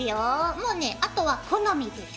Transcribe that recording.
もうねあとは好みです。